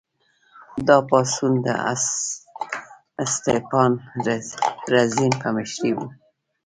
دا پاڅون د اسټپان رزین په مشرۍ و.